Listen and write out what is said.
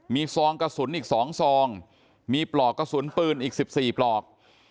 มีซองกระสุนอีก๒ซองมีปลอกกระสุนปืนอีก๑๔ปลอก